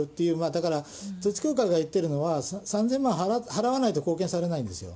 だから、統一教会が言ってるのは、３０００万払わないと貢献されないんですよ。